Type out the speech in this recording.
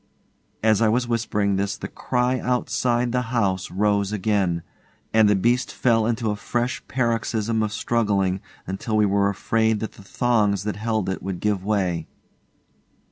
As I was whispering this the cry outside the house rose again, and the beast fell into a fresh paroxysm of struggling till we were afraid that the thongs that held it would give way.